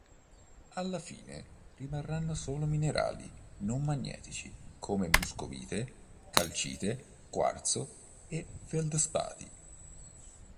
Alla fine rimarranno solo minerali non magnetici come muscovite, calcite, quarzo e feldspati.